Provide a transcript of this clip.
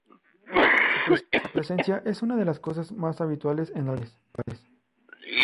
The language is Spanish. Su presencia es una de las cosas más habituales en algunos hogares.